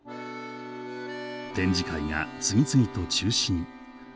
展示会が次々と中止に。